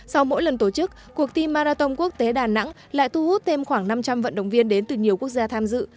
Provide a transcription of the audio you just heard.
sau mỗi lần tổ chức cuộc thi marathon quốc tế đà nẵng lại thu hút thêm khoảng năm trăm linh vận động viên đến từ nhiều quốc gia tham dự